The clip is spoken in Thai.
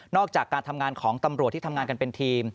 จากการทำงานของตำรวจที่ทำงานกันเป็นทีม